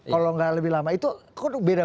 kalau gak lebih lama itu kok beda